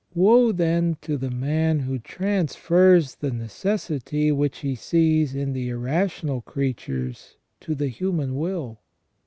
Woe, then, to the man who transfers the necessity which he sees in the irrational creatures to the human will.